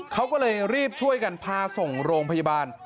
เขาก็เลยรีบช่วยกันพาส่งโรงพยาบาล